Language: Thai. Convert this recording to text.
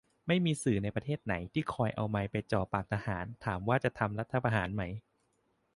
ไม่มีสื่อประเทศไหนที่คอยเอาไมค์ไปจ่อปากทหาร ถามว่าจะทำรัฐประหารไหม